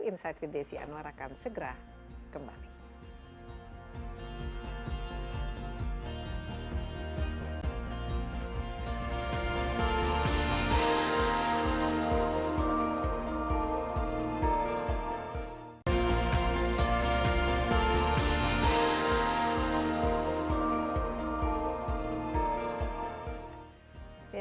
insight with desy anwar akan segera kembali